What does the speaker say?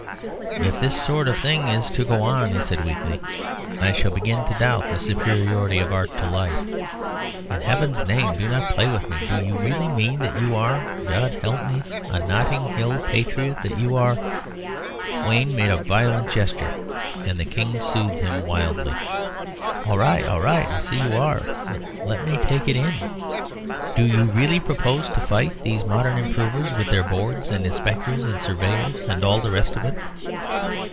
"If this sort of thing is to go on," he said weakly, "I shall begin to doubt the superiority of art to life. In Heaven's name, do not play with me. Do you really mean that you are God help me! a Notting Hill patriot; that you are ?" Wayne made a violent gesture, and the King soothed him wildly. "All right all right I see you are; but let me take it in. You do really propose to fight these modern improvers with their boards and inspectors and surveyors and all the rest of it?"